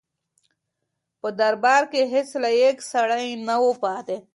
په دربار کې هیڅ لایق سړی نه و پاتې.